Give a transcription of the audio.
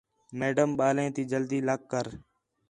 میڈم ٻالیں تی جلدی لَکھ کر